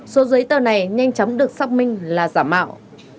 số giấy tờ này nhanh chóng được xác minh là giả mạo